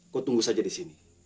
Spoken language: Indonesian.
kok tunggu saja di sini